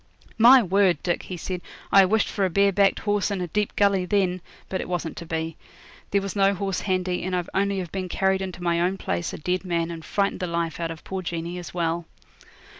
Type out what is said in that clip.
'My word, Dick,' he said, 'I wished for a bare backed horse, and a deep gully, then; but it wasn't to be. There was no horse handy, and I'd only have been carried into my own place a dead man and frightened the life out of poor Jeanie as well.'